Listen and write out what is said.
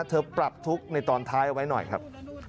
ปรับทุกข์ในตอนท้ายเอาไว้หน่อยครับ